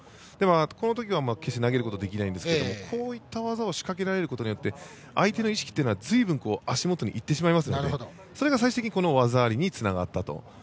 このときは、決して投げることはできないんですがこういった技を仕掛けられることによって相手の意識は足元にいってしまいますのでそれが最終的に技ありにつながったと。